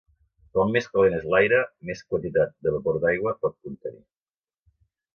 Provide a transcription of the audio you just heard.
Com més calent és l'aire, més quantitat de vapor d'aigua pot contenir.